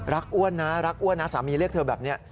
อ้วนนะรักอ้วนนะสามีเรียกเธอแบบนี้